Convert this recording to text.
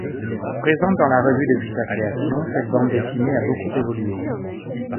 Présente dans la revue depuis sa création, cette bande dessinée a beaucoup évolué.